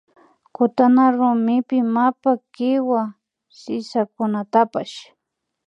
Kutana rumipi mapa kiwa sisakunatapsh